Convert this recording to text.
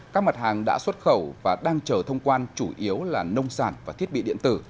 các mặt hàng đã xuất khẩu và đang chờ thông quan chủ yếu là nông sản và thiết bị điện tử